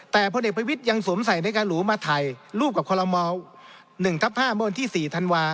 แต่พลเอกประวิทย์ยังสวมใส่ในการหรูมาถ่ายรูปกับคอลโลม๑ทับ๕เมื่อวันที่๔ธันวา